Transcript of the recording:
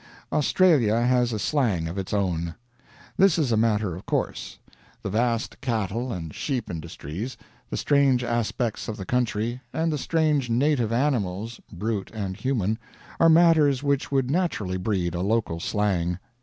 Australia has a slang of its own. This is a matter of course. The vast cattle and sheep industries, the strange aspects of the country, and the strange native animals, brute and human, are matters which would naturally breed a local slang.